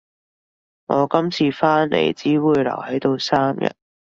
我今次返嚟只會留喺度三日